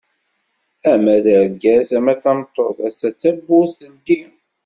Ama d argaz ama d tameṭṭut, ass-a tawwurt teldi.